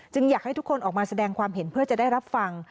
อยากให้ทุกคนออกมาแสดงความเห็นเพื่อจะได้รับฟัง